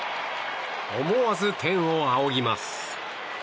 思わず天を仰ぎます。